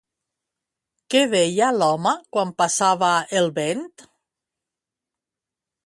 Què deia l'home quan passava el vent?